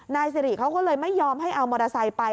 นายสิริเขาก็เลยไม่ยอมให้เอามอเตอร์ไซค์ไป